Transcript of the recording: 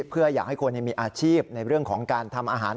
เพื่ออยากให้คนมีอาชีพในเรื่องของการทำอาหาร